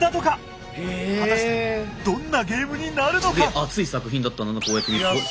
果たしてどんなゲームになるのか！